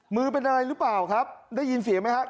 มือเป็นอะไรหรือเปล่าครับได้ยินเสียงไหมครับ